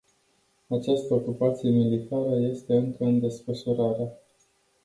Această ocupație militară este încă în desfășurare.